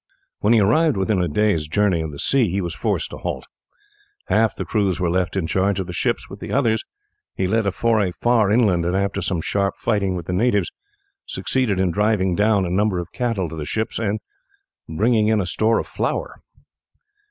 When he arrived within a day's journey of the sea he was forced to halt. Half the crews were left in charge of the ships, and with the others he led a foray far inland, and after some sharp fighting with the natives succeeded in driving down a number of cattle to the ships and in bringing in a store of flour.